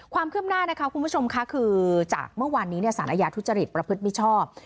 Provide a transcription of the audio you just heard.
ความคืบหน้านะคะคุณผู้ชมค่ะคือจากเมื่อวานนี้สารอาญาทุจริตประพฤติมิชชอบ